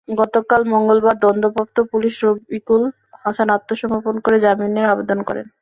গতকাল মঙ্গলবার দণ্ডপ্রাপ্ত পুলিশ রকিবুল হাসান আত্মসমর্পণ করে জামিনের আবেদন করেন।